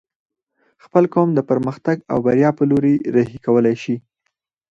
خپل قوم د پرمختګ او بريا په لوري رهي کولی شې